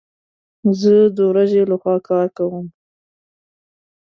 زه د ورځي لخوا کار کوم